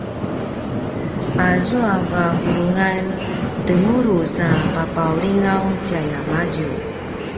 azua vavulungan temulu sa papaulingaw tjayamadju